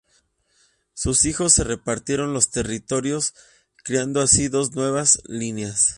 Sus hijos se repartieron los territorios, creando así dos nuevas líneas.